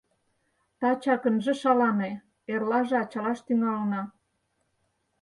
— Тачак ынже шалане, эрлаже ачалаш тӱҥалына.